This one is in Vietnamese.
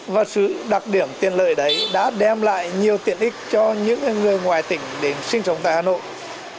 và sự đặc điểm tiện lợi đấy đã đem lại nhiều tiện ích cho những người ngoài tỉnh đến sinh sống tại hà nội